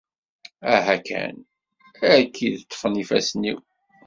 Aha kan! Ar k-id-ṭṭfen yifassen-iw.